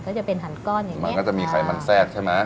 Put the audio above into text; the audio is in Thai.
ก็จะเป็นหันก้อนอย่างนี้มันก็จะมีไขมันแทรกใช่ไหม